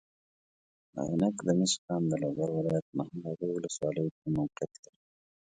د عینک د مسو کان د لوګر ولایت محمداغې والسوالۍ کې موقیعت لري.